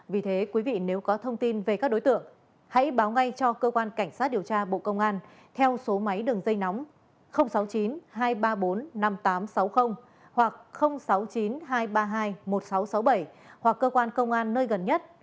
vì thế quý vị nếu có thông tin về các đối tượng hãy báo ngay cho cơ quan cảnh sát điều tra bộ công an theo số máy đường dây nóng sáu mươi chín hai trăm ba mươi bốn năm nghìn tám trăm sáu mươi hoặc sáu mươi chín hai trăm ba mươi hai một nghìn sáu trăm sáu mươi bảy hoặc cơ quan công an nơi gần nhất